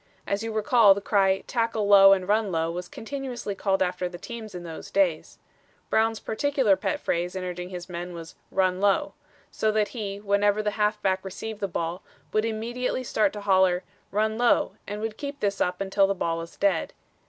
As you recall, the cry, 'Tackle low and run low,' was continuously called after the teams in those days. Brown's particular pet phrase in urging his men was, 'Run low.' So that he, whenever the halfback received the ball, would immediately start to holler, 'Run low,' and would keep this up until the ball was dead.